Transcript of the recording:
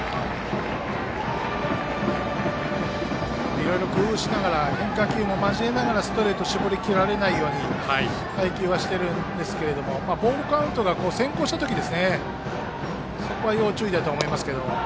いろいろ工夫しながら変化球も交えながら、ストレート絞りきられないように配球はしているんですけれどもボールカウントが先行した時は要注意だと思いますが。